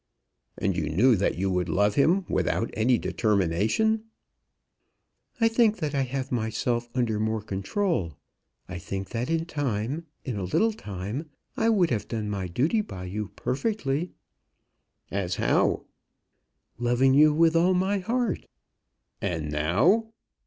"And you knew that you would love him without any determination." "I think that I have myself under more control. I think that in time, in a little time, I would have done my duty by you perfectly." "As how?" "Loving you with all my heart." "And now?"